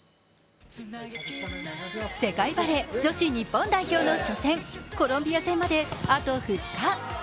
世界バレー女子日本代表の初戦、コロンビア戦まであと２日。